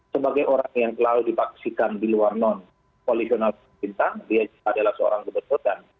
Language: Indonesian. sebagai orang yang selalu dipaksikan di luar non polisionalistik pemerintah dia adalah seorang kebetulan